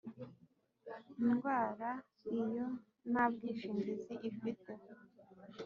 indwara Iyo nta bwishingizi ifite.